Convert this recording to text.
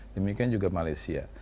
demikian juga malaysia